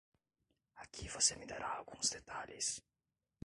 Aqui você me dará alguns detalhes.